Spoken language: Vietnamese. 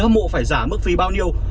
còn b đẹp là bốn triệu ba mươi